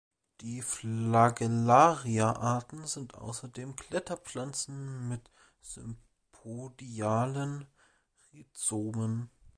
Die "Flagellaria"-Arten sind ausdauernde Kletterpflanzen mit sympodialen Rhizomen.